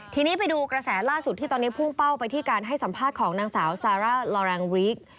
ทีนี้ไปดูกระแสล่าสุดที่ตอนนี้พุ่งเป้าไปที่การให้สัมภาษณ์ของนางสาวซาร่าลอแรงบริก